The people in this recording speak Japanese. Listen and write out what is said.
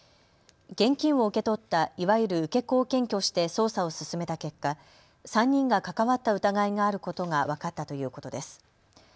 現金を受け取ったいわゆる受け子を検挙して捜査を進めた結果、３人が関わった疑いがあることが分かったということです。